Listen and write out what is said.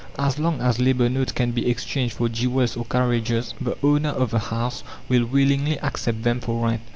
As long as labour notes can be exchanged for jewels or carriages, the owner of the house will willingly accept them for rent.